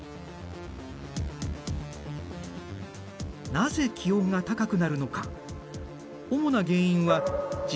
なぜ気温が高くなるのか。